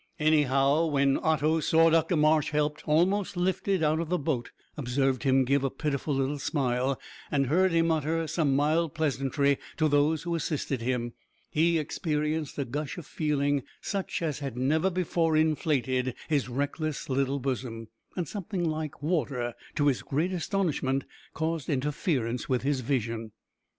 Anyhow, when Otto saw Dr Marsh helped, almost lifted, out of the boat; observed him give a pitiful little smile, and heard him utter some mild pleasantry to those who assisted him, he experienced a gush of feeling such as had never before inflated his reckless little bosom, and something like water to his great astonishment caused interference with his vision.